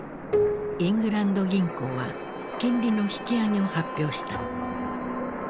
イングランド銀行は金利の引き上げを発表した。